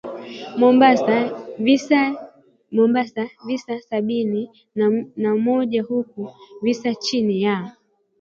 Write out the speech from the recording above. Mombasa visa sabini na moja huku visa chini ya